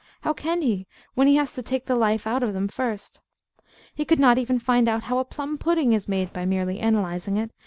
How can he, when he has to take the life out of them first? He could not even find out how a plum pudding is made by merely analysing it.